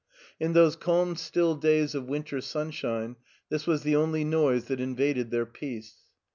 In those calm still days of winter sunshine this was the only noise that invaded their peace.